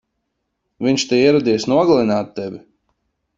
Viņš te ieradies nogalināt tevi!